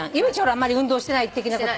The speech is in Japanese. あんまり運動してない的なこと。